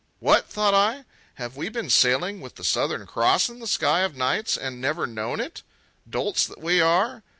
What! thought I; have we been sailing with the Southern Cross in the sky of nights and never known it? Dolts that we are!